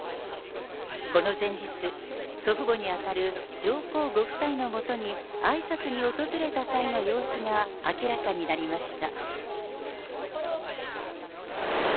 この前日、祖父母に当たる上皇ご夫妻のもとにあいさつに訪れた際の様子が明らかになりました。